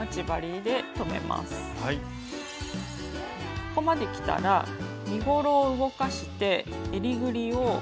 ここまできたら身ごろを動かしてえりぐりをまっすぐにします。